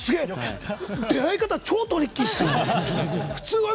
出会い方超トリッキーですね！